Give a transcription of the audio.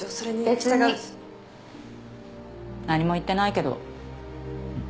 別に何も言ってないけど。